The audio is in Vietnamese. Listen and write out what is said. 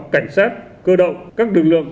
cảnh sát cơ động các lực lượng